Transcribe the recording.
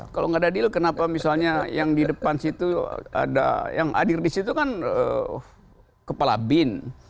kalau nggak ada deal kenapa misalnya yang di depan situ ada yang hadir di situ kan kepala bin